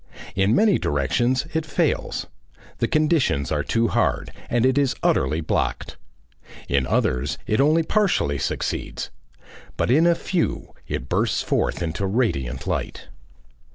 In many directions it fails; the conditions are too hard and it is utterly blocked. In others it only partially succeeds. But in a few it bursts forth into radiant light.